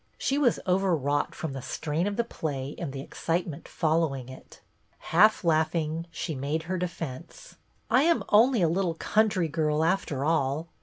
She was overwrought from the strain of the play and the excitement following it. Half laughing, she made her defence. " I am only a little country girl, after all.